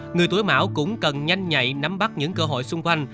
người tuổi mão cũng cần nhanh nhạy nắm bắt những cơ hội xung quanh